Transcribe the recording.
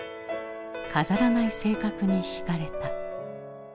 飾らない性格に引かれた。